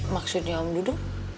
maksudnya om duduk